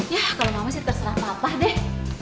yah kalau mau sih terserah papa deh